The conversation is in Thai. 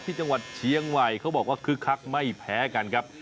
ที่จังหวัดเชียงใหม่เขาบอกว่าคึกคักไม่แพ้กันครับ